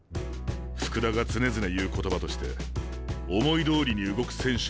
福田が常々言う言葉として「思いどおりに動く選手など要らない。